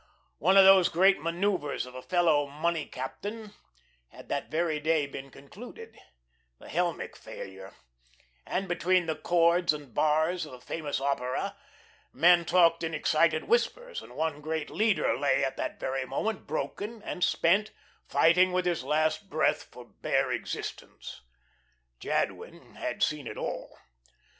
One of those great manoeuvres of a fellow money captain had that very day been concluded, the Helmick failure, and between the chords and bars of a famous opera men talked in excited whispers, and one great leader lay at that very moment, broken and spent, fighting with his last breath for bare existence. Jadwin had seen it all.